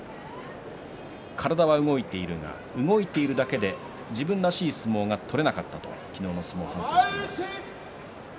体は動いているが動いているだけで自分らしい相撲が取れなかったと昨日の相撲を反省しています。